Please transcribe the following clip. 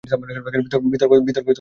বিতর্ক অবদান।